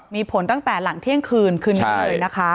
มีผลตั้งแต่หลังเที่ยงคืนคืนนี้เลยนะคะ